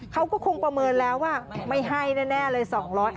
เขาก็คงประเมินแล้วว่าไม่ให้แน่เลย